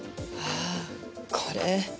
あぁこれ。